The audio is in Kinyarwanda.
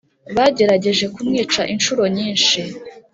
Bagerageje kumwica incuro nyinshi